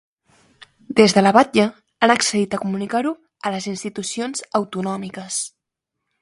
Des de la batllia han accedit a comunicar-ho a les institucions autonòmiques?